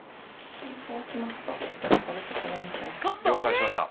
了解しました。